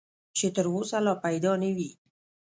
چې تر اوسه لا پیدا نه وي .